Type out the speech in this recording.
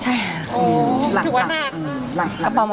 ใช่ค่ะอ๋อหลักค่ะอัตโปรมาชีวิตหลักค่ะหลักค่ะ